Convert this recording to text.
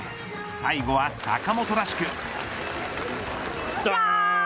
最後は坂本らしく。